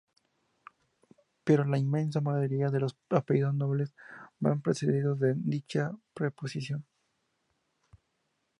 Pero la inmensa mayoría de los apellidos nobles van precedidos de dicha preposición.